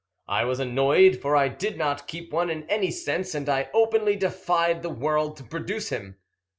I was annoyed, for I did not keep one in any sense, and I openly defied the world to produce him.